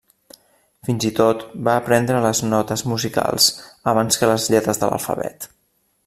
Fins i tot va aprendre les notes musicals abans que les lletres de l’alfabet.